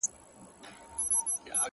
• خوب له شپې، قرار وتلی دی له ورځي ,